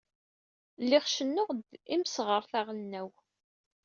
Lliɣ cennuɣ-d imseɣret aɣelnaw.